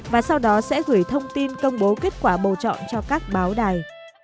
và sau đó sẽ gửi thông tin công bố kết quả bầu chọn cho các báo đài